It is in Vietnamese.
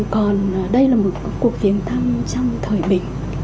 còn đây là một cuộc tiến thăm trong thời bình